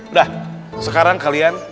udah sekarang kalian